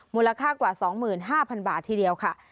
มูลค่ากว่า๒๕๐๐บาททีเดียวค่ะ